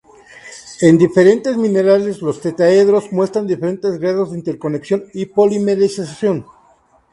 En diferentes minerales, los tetraedros muestran diferentes grados de interconexión y polimerización.